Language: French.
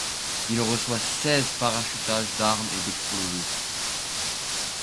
Il reçoit seize parachutages d’armes et d’explosifs.